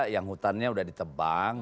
yang hutannya udah ditebang